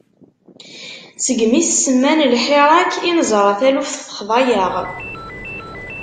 Segmi s-semman "lḥirak", i neẓra taluft texḍa-yaɣ.